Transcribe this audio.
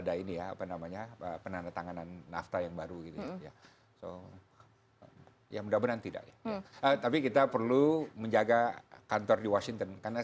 sama sama negara demokrasi tapi